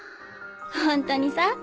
ホントにさ